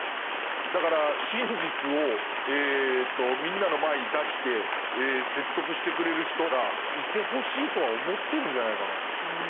だから真実をみんなの前に出して説得してくれる人がいてほしいとは思ってるんじゃないかな。